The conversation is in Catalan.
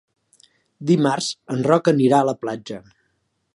Dimarts en Roc anirà a la platja.